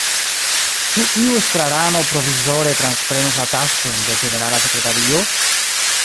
Ĉu iu estrarano provizore transprenos la taskojn de ĝenerala sekretario?